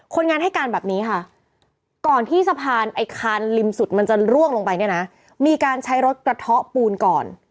คนงานให้การแบบนี้ค่ะก่อนที่สะพานไอ้คานริมสุดมันจะร่วงลงไปเนี่ยนะมีการใช้รถกระเทาะปูนก่อน